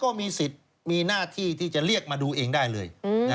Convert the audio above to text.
ก็มีสิทธิ์มีหน้าที่ที่จะเรียกมาดูเองได้เลย